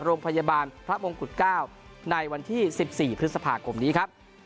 โรงพยาบาลพระมงกุฎ๙ในวันที่๑๔พฤษภาคมนี้ครับ